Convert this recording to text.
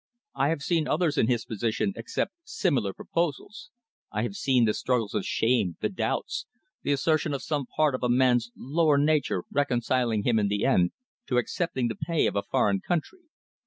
I have seen others in his position accept similar proposals. I have seen the struggles of shame, the doubts, the assertion of some part of a man's lower nature reconciling him in the end to accepting the pay of a foreign country.